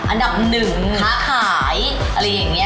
อันดับหนึ่งค้าขายอะไรอย่างนี้